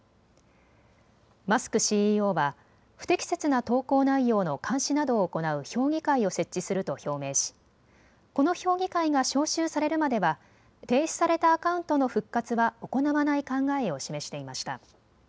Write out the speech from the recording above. マスクＣＥＯは不適切な投稿内容の監視などを行う評議会を設置すると表明し、この評議会が招集されるまでは停止されたアカウントの復活は行わない考えを示していました。